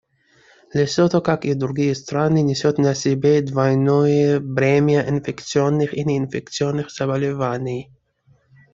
Лесото, как и другие страны, несет на себе двойное бремя инфекционных и неинфекционных заболеваний.